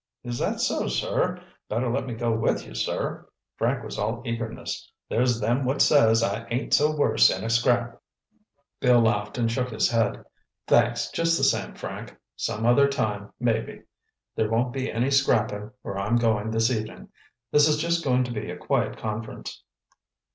"Is that so, sir? Better let me go with you, sir!" Frank was all eagerness. "There's them what says I ain't so worse in a scrap." Bill laughed and shook his head. "Thanks just the same, Frank. Some other time maybe. There won't be any scrapping where I'm going this evening. This is just going to be a quiet conference."